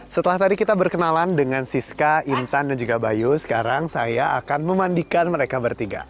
setelah tadi kita berkenalan dengan siska intan dan juga bayu sekarang saya akan memandikan mereka bertiga